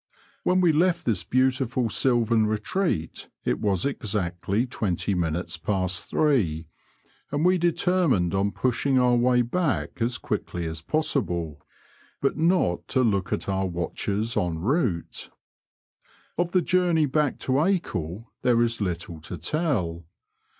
When we left this beautiful sylvan retreat it was exactly twenty minutes past three, and we determined on pushing our way back as quickly as possible, but not to look at our watches en rotUe, Of the journey back to Acle there is little to tell.